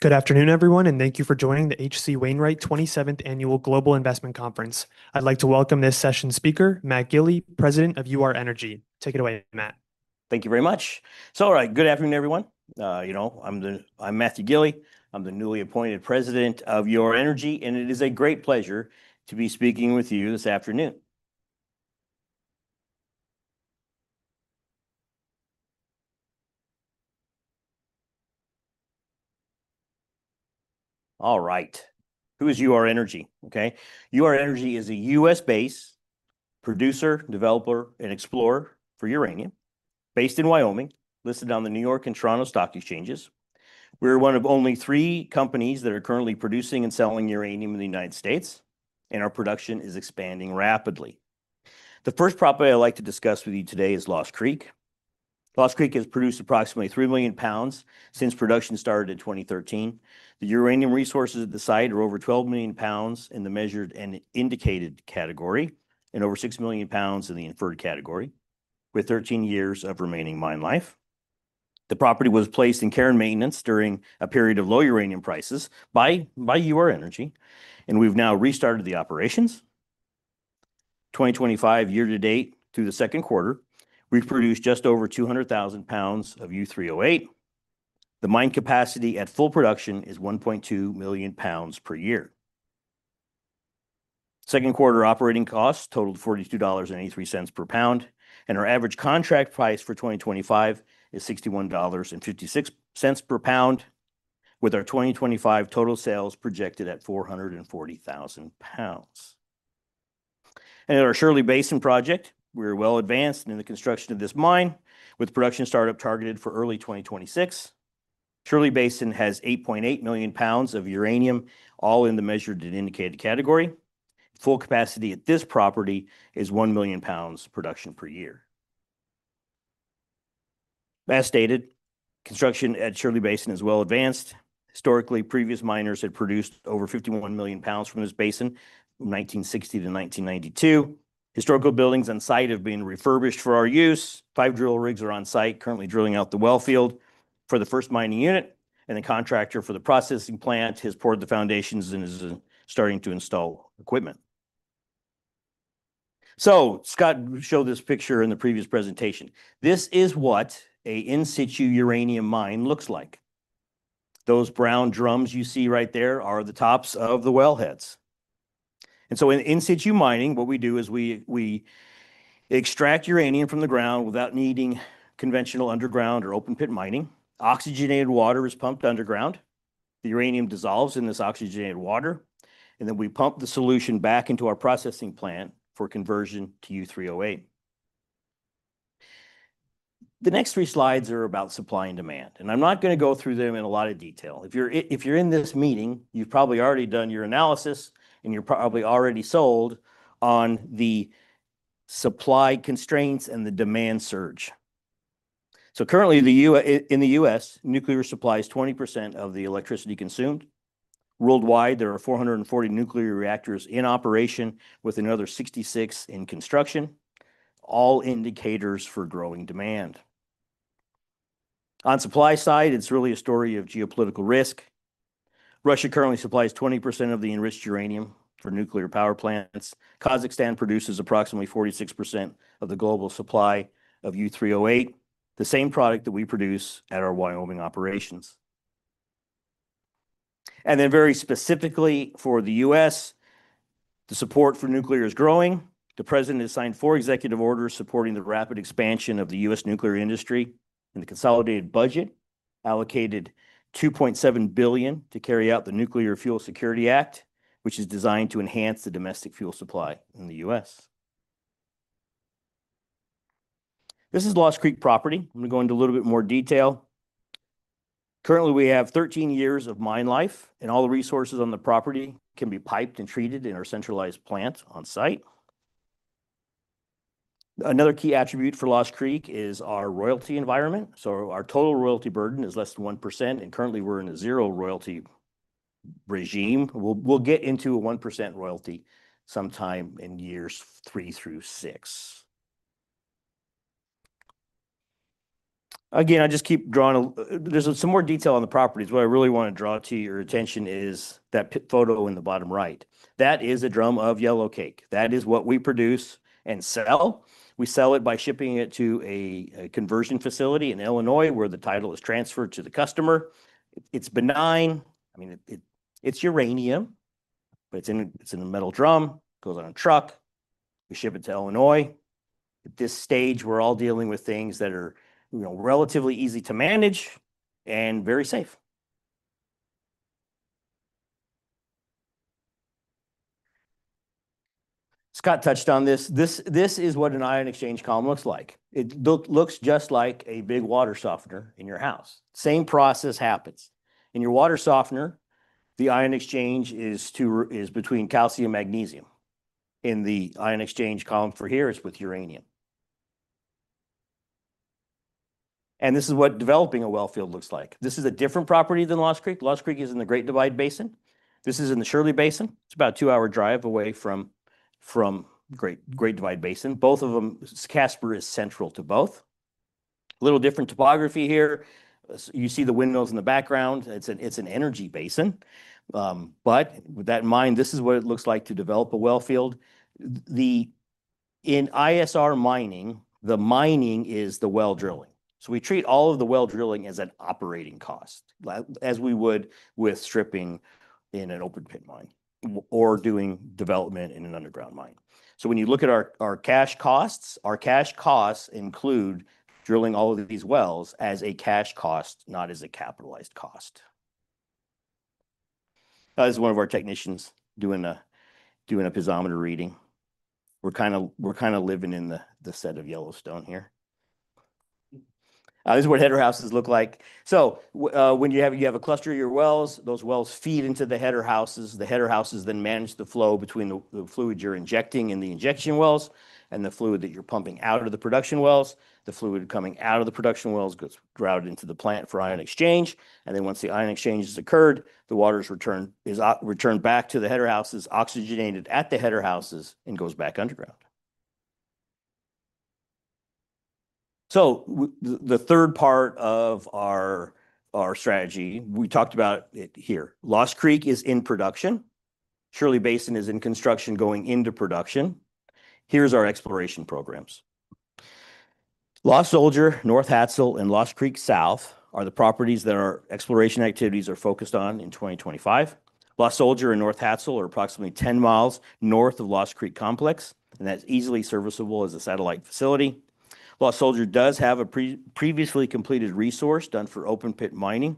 Good afternoon, everyone, and thank you for joining the H.C. Wainwright 27th Annual Global Investment Conference. I'd like to welcome this session's speaker, Matt Gili, President of Ur-Energy. Take it away, Matt. Thank you very much. So, all right, good afternoon, everyone. You know, I'm Matthew Gili. I'm the newly appointed President of Ur-Energy, and it is a great pleasure to be speaking with you this afternoon. All right. Who is Ur-Energy? Okay. Ur-Energy is a U.S.-based producer, developer, and explorer for uranium, based in Wyoming, listed on the New York and Toronto Stock Exchanges. We're one of only three companies that are currently producing and selling uranium in the United States, and our production is expanding rapidly. The first property I'd like to discuss with you today is Lost Creek. Lost Creek has produced approximately 3 million lb since production started in 2013. The uranium resources at the site are over 12 million lb in the measured and indicated category and over 6 million lb in the inferred category, with 13 years of remaining mine life. The property was placed in care and maintenance during a period of low uranium prices by Ur-Energy, and we've now restarted the operations. 2025, year to date, through the second quarter, we've produced just over 200,000 lb of U3O8. The mine capacity at full production is 1.2 million lb per year. Second quarter operating costs totaled $42.83 per pound, and our average contract price for 2025 is $61.56 per pound, with our 2025 total sales projected at 440,000 lb, and at our Shirley Basin project, we're well advanced in the construction of this mine, with production startup targeted for early 2026. Shirley Basin has 8.8 million lb of uranium, all in the measured and indicated category. Full capacity at this property is 1 million lb production per year. As stated, construction at Shirley Basin is well advanced. Historically, previous miners had produced over 51 million lb from this basin from 1960 to 1992. Historical buildings on site have been refurbished for our use. Five drill rigs are on site, currently drilling out the well field for the first mining unit, and the contractor for the processing plant has poured the foundations and is starting to install equipment. So, Scott showed this picture in the previous presentation. This is what an in-situ uranium mine looks like. Those brown drums you see right there are the tops of the wellheads. And so in-situ mining, what we do is we extract uranium from the ground without needing conventional underground or open-pit mining. Oxygenated water is pumped underground. The uranium dissolves in this oxygenated water, and then we pump the solution back into our processing plant for conversion to U3O8. The next three slides are about supply and demand, and I'm not going to go through them in a lot of detail. If you're in this meeting, you've probably already done your analysis, and you're probably already sold on the supply constraints and the demand surge. So currently, in the U.S., nuclear supply is 20% of the electricity consumed. Worldwide, there are 440 nuclear reactors in operation, with another 66 in construction, all indicators for growing demand. On the supply side, it's really a story of geopolitical risk. Russia currently supplies 20% of the enriched uranium for nuclear power plants. Kazakhstan produces approximately 46% of the global supply of U3O8, the same product that we produce at our Wyoming operations. And then very specifically for the U.S., the support for nuclear is growing. The President has signed four executive orders supporting the rapid expansion of the U.S. nuclear industry and the consolidated budget, allocated $2.7 billion to carry out the Nuclear Fuel Security Act, which is designed to enhance the domestic fuel supply in the U.S. This is Lost Creek property. I'm going to go into a little bit more detail. Currently, we have 13 years of mine life, and all the resources on the property can be piped and treated in our centralized plant on site. Another key attribute for Lost Creek is our royalty environment. So our total royalty burden is less than 1%, and currently we're in a zero royalty regime. We'll get into a 1% royalty sometime in years three through six. Again, I just keep drawing. There's some more detail on the properties. What I really want to draw to your attention is that photo in the bottom right. That is a drum of yellowcake. That is what we produce and sell. We sell it by shipping it to a conversion facility in Illinois, where the title is transferred to the customer. It's benign. I mean, it's uranium, but it's in a metal drum. It goes on a truck. We ship it to Illinois. At this stage, we're all dealing with things that are relatively easy to manage and very safe. Scott touched on this. This is what an ion exchange column looks like. It looks just like a big water softener in your house. The same process happens. In your water softener, the ion exchange is between calcium and magnesium. In the ion exchange column for here, it's with uranium. And this is what developing a well field looks like. This is a different property than Lost Creek. Lost Creek is in the Great Divide Basin. This is in the Shirley Basin. It's about a two-hour drive away from Great Divide Basin. Both of them, Casper is central to both. A little different topography here. You see the windmills in the background. It's an energy basin. But with that in mind, this is what it looks like to develop a well field. In ISR mining, the mining is the well drilling. So we treat all of the well drilling as an operating cost, as we would with stripping in an open-pit mine or doing development in an underground mine. So when you look at our cash costs, our cash costs include drilling all of these wells as a cash cost, not as a capitalized cost. That is one of our technicians doing a piezometer reading. We're kind of living in the set of Yellowstone here. This is what header houses look like. So when you have a cluster of your wells, those wells feed into the header houses. The header houses then manage the flow between the fluid you're injecting in the injection wells and the fluid that you're pumping out of the production wells. The fluid coming out of the production wells gets routed into the plant for ion exchange. And then once the ion exchange has occurred, the water is returned back to the header houses, oxygenated at the header houses, and goes back underground. So the third part of our strategy, we talked about it here. Lost Creek is in production. Shirley Basin is in construction going into production. Here's our exploration programs. Lost Soldier, North Hadsell, and Lost Creek South are the properties that our exploration activities are focused on in 2025. Lost Soldier and North Hadsell are approximately 10 miles north of Lost Creek Complex, and that's easily serviceable as a satellite facility. Lost Soldier does have a previously completed resource done for open-pit mining,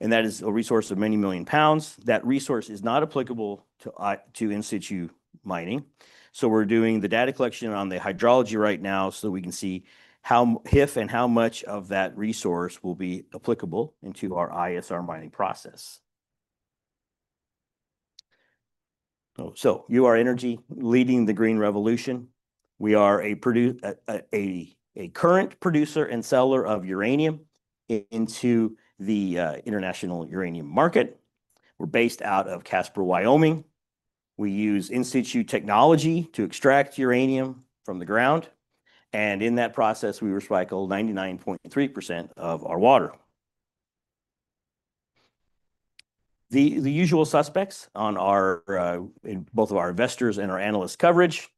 and that is a resource of many million pounds. That resource is not applicable to in-situ mining. So we're doing the data collection on the hydrology right now so that we can see how HIF and how much of that resource will be applicable into our ISR mining process. So Ur-Energy, leading the green revolution. We are a current producer and seller of uranium into the international uranium market. We're based out of Casper, Wyoming. We use in-situ technology to extract uranium from the ground. And in that process, we recycle 99.3% of our water. The usual suspects on both of our investors and our analyst coverage.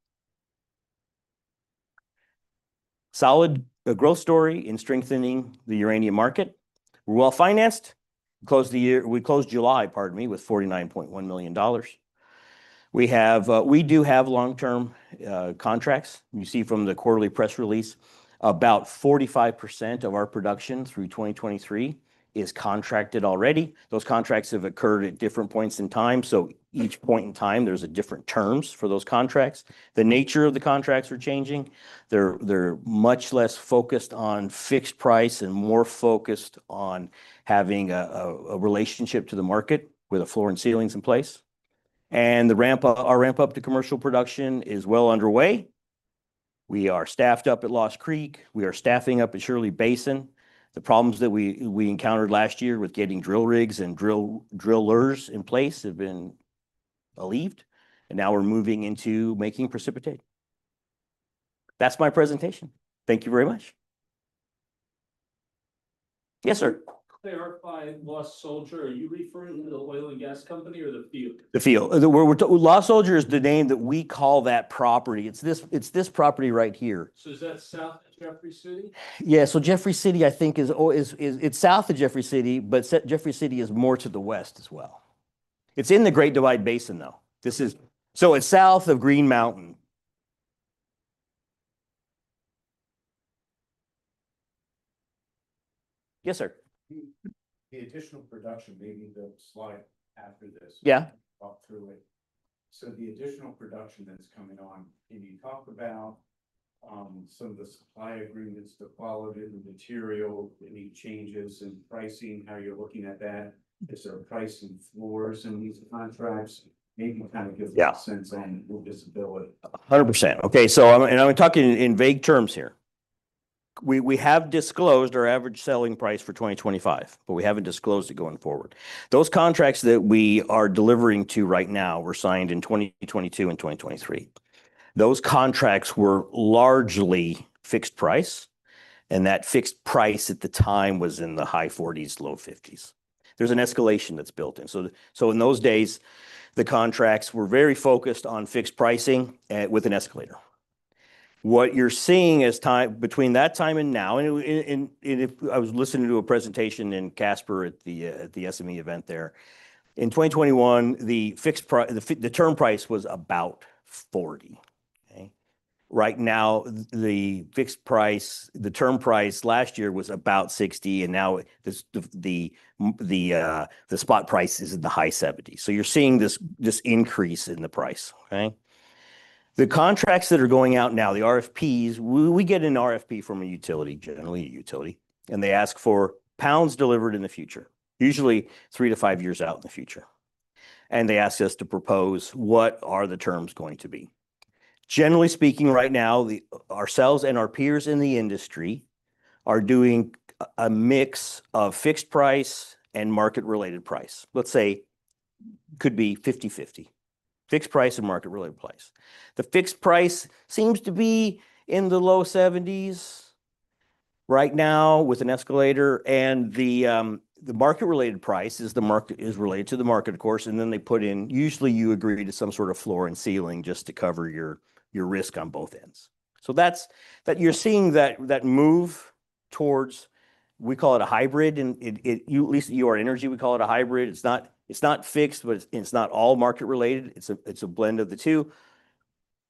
Solid growth story in strengthening the uranium market. We're well-financed. We closed July, pardon me, with $49.1 million. We do have long-term contracts. You see from the quarterly press release, about 45% of our production through 2023 is contracted already. Those contracts have occurred at different points in time. So each point in time, there's different terms for those contracts. The nature of the contracts are changing. They're much less focused on fixed price and more focused on having a relationship to the market with a floor and ceilings in place. Our ramp-up to commercial production is well underway. We are staffed up at Lost Creek. We are staffing up at Shirley Basin. The problems that we encountered last year with getting drill rigs and drillers in place have been alleviated, and now we're moving into making precipitate. That's my presentation. Thank you very much. Yes, sir. Clarify, Lost Soldier, are you referring to the oil and gas company or the field? The field. Lost Soldier is the name that we call that property. It's this property right here. So is that south of Jeffrey City? Yeah, so Jeffrey City, I think, is south of Jeffrey City, but Jeffrey City is more to the west as well. It's in the Great Divide Basin, though, so it's south of Green Mountain. Yes, sir. The additional production, maybe the slide after this, walk through it. So the additional production that's coming on, can you talk about some of the supply agreements that follow in the material, any changes in pricing, how you're looking at that? Is there a price floors in these contracts? Maybe kind of give a sense on what the visibility. 100%. Okay. And I'm talking in vague terms here. We have disclosed our average selling price for 2025, but we haven't disclosed it going forward. Those contracts that we are delivering to right now were signed in 2022 and 2023. Those contracts were largely fixed price, and that fixed price at the time was in the high $40s, low $50s. There's an escalation that's built in. So in those days, the contracts were very focused on fixed pricing with an escalator. What you're seeing is between that time and now, and I was listening to a presentation in Casper at the SME event there. In 2021, the term price was about $40. Right now, the term price last year was about $60, and now the spot price is in the high $70s. So you're seeing this increase in the price. The contracts that are going out now, the RFPs, we get an RFP from a utility, generally a utility, and they ask for pounds delivered in the future, usually three to five years out in the future, and they ask us to propose what are the terms going to be. Generally speaking, right now, ourselves and our peers in the industry are doing a mix of fixed price and market-related price. Let's say it could be 50/50, fixed price and market-related price. The fixed price seems to be in the low 70s right now with an escalator, and the market-related price is related to the market, of course, and then they put in, usually you agree to some sort of floor and ceiling just to cover your risk on both ends, so you're seeing that move towards, we call it a hybrid. At least Ur-Energy, we call it a hybrid. It's not fixed, but it's not all market-related. It's a blend of the two.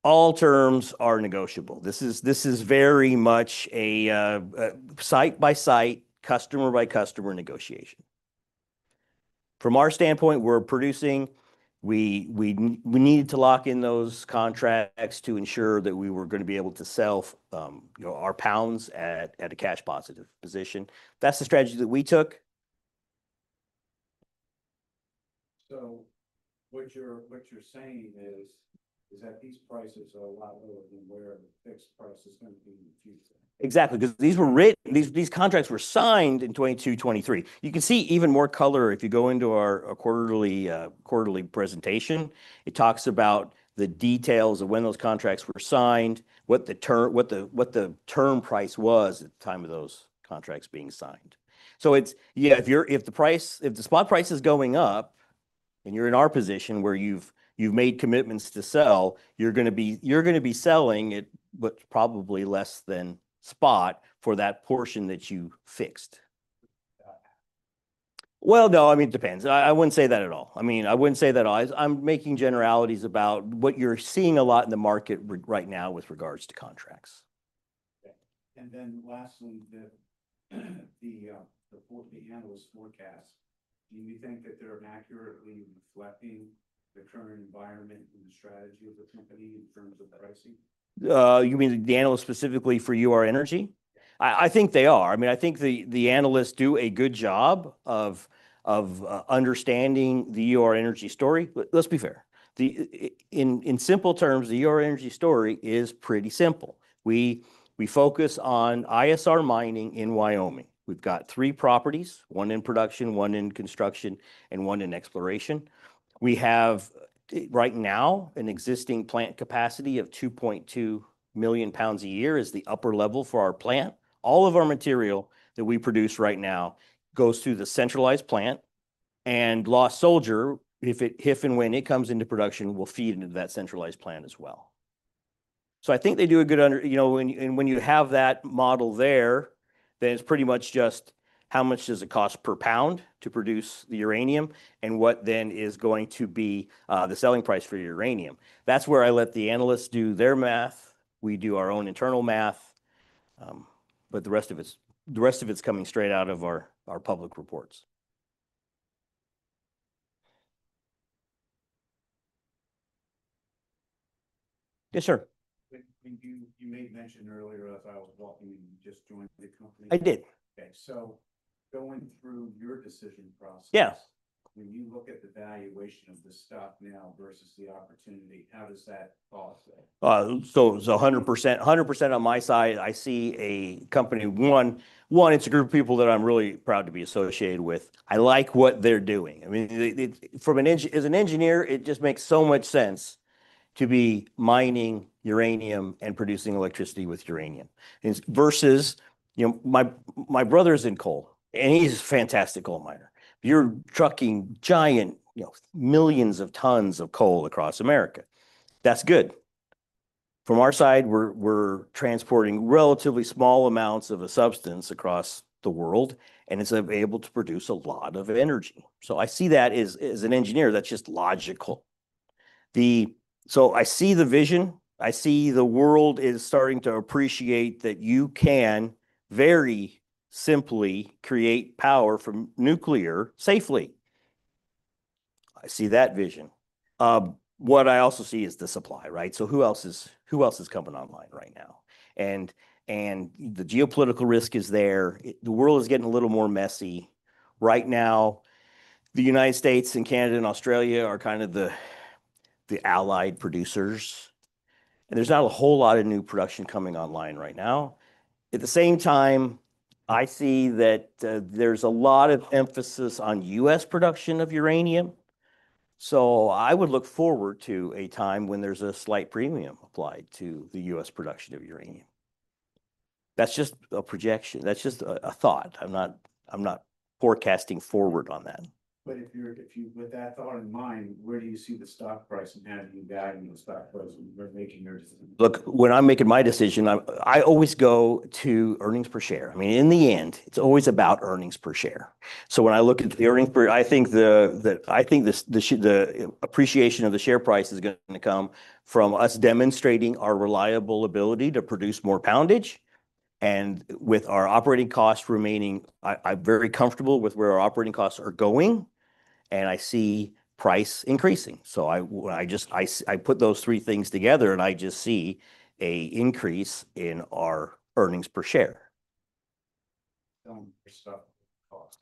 All terms are negotiable. This is very much a site-by-site, customer-by-customer negotiation. From our standpoint, we're producing. We needed to lock in those contracts to ensure that we were going to be able to sell our pounds at a cash-positive position. That's the strategy that we took. So what you're saying is that these prices are a lot lower than where the fixed price is going to be in the future. Exactly. Because these contracts were signed in 2023. You can see even more color if you go into our quarterly presentation. It talks about the details of when those contracts were signed, what the term price was at the time of those contracts being signed. So yeah, if the spot price is going up and you're in our position where you've made commitments to sell, you're going to be selling at probably less than spot for that portion that you fixed. Well, no, I mean, it depends. I wouldn't say that at all. I'm making generalities about what you're seeing a lot in the market right now with regards to contracts. Okay. And then lastly, the analyst forecasts, do you think that they're accurately reflecting the current environment and the strategy of the company in terms of pricing? You mean the analysts specifically for Ur-Energy? I think they are. I mean, I think the analysts do a good job of understanding the Ur-Energy story. Let's be fair. In simple terms, the Ur-Energy story is pretty simple. We focus on ISR mining in Wyoming. We've got three properties, one in production, one in construction, and one in exploration. We have right now an existing plant capacity of 2.2 million lb a year as the upper level for our plant. All of our material that we produce right now goes through the centralized plant, and Lost Soldier, if it HIF and when it comes into production, will feed into that centralized plant as well, so I think they do a good understanding. When you have that model there, then it's pretty much just how much does it cost per pound to produce the uranium and what then is going to be the selling price for uranium. That's where I let the analysts do their math. We do our own internal math, but the rest of it's coming straight out of our public reports. Yes, sir. You made mention earlier, as I was walking in, you just joined the company. I did. Okay. So going through your decision process, when you look at the valuation of the stock now versus the opportunity, how does that cost? So 100% on my side, I see a company. One, it's a group of people that I'm really proud to be associated with. I like what they're doing. I mean, as an engineer, it just makes so much sense to be mining uranium and producing electricity with uranium versus my brother's in coal, and he's a fantastic coal miner. You're trucking giant millions of tons of coal across America. That's good. From our side, we're transporting relatively small amounts of a substance across the world, and it's able to produce a lot of energy. So I see that as an engineer, that's just logical. So I see the vision. I see the world is starting to appreciate that you can very simply create power from nuclear safely. I see that vision. What I also see is the supply, right? So who else is coming online right now? And the geopolitical risk is there. The world is getting a little more messy. Right now, the United States and Canada and Australia are kind of the allied producers. And there's not a whole lot of new production coming online right now. At the same time, I see that there's a lot of emphasis on U.S. production of uranium. So I would look forward to a time when there's a slight premium applied to the U.S. production of uranium. That's just a projection. That's just a thought. I'm not forecasting forward on that. But if you're with that thought in mind, where do you see the stock price and adding value in the stock price when you're making your decision? Look, when I'm making my decision, I always go to earnings per share. I mean, in the end, it's always about earnings per share. So when I look at the earnings per, I think the appreciation of the share price is going to come from us demonstrating our reliable ability to produce more poundage. And with our operating costs remaining, I'm very comfortable with where our operating costs are going, and I see price increasing. So I put those three things together, and I just see an increase in our earnings per share. When you're selling the cost.